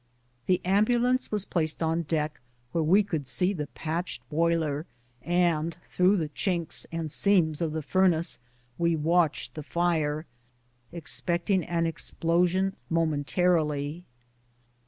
The ambulance was placed on deck, where we could see the patched boiler, and through the chinks and seams of the furnaces we watched the fire, expecting an explosion momentarily.